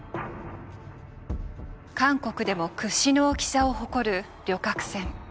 韓国でも屈指の大きさを誇る旅客船。